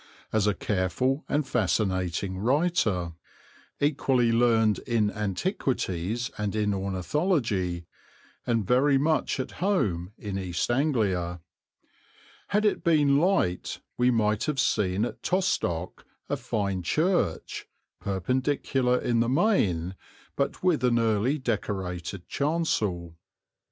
as a careful and fascinating writer, equally learned in antiquities and in ornithology, and very much at home in East Anglia. Had it been light we might have seen at Tostock a fine church, Perpendicular in the main, but with an early Decorated chancel.